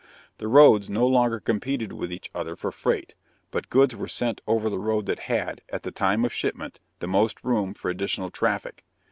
The roads no longer competed with each other for freight, but goods were sent over the road that had, at the time of shipment, the most room for additional traffic.